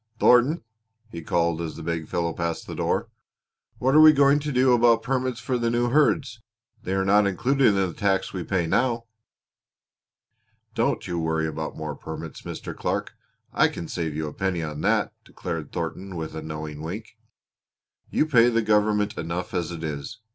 Thornton," he called, as the big fellow passed the door, "what are we going to do about permits for the new herds? They are not included in the tax we now pay." "Don't you worry about more permits, Mr. Clark. I can save you a penny on that," declared Thornton with a knowing wink. "You pay the government enough as it is.